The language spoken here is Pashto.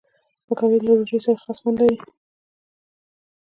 پکورې له روژې سره خاص خوند لري